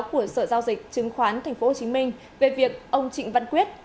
của sở giao dịch chứng khoán tp hcm về việc ông trịnh văn quyết